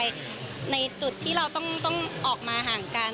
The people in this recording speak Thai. ฟอยสุดอะไรอย่างนี้แพลวรู้สึกว่าแพลวต้องเสียใจในจุดที่เราต้องออกมาห่างกัน